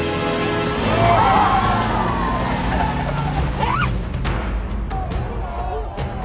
えっ！？